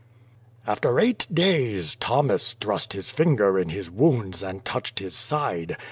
"After eight days Thomas thrust his finger in His wounds and touched His side.